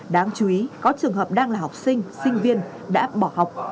đáng chú ý có trường hợp đang là học sinh sinh viên đã bỏ học